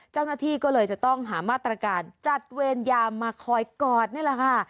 เจ้าหน้าที่ก็เลยจะต้องหามาตรการจัดเวรยามมาคอยกอดนี่แหละค่ะ